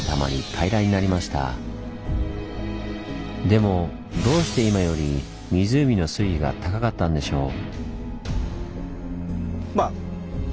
でもどうして今より湖の水位が高かったんでしょう？